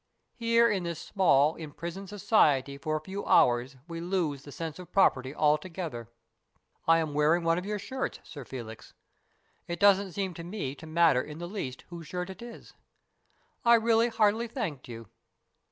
Here in this small, imprisoned society for a few hours we lose the sense of property altogether. I am wearing one of your shirts, Sir Felix. It doesn't seem to me to matter in the least whose shirt it is. I really hardly thanked you.